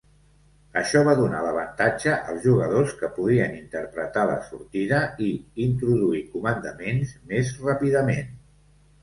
Això va donar l'avantatge als jugadors que podien interpretar la sortida i introduir comandaments més ràpidament.